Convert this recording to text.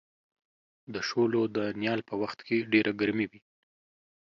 د شولو د نیال په وخت کې ډېره ګرمي وي.